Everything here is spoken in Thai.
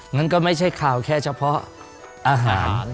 งั้นก็ไม่ใช่ข่าวแค่เฉพาะอาหาร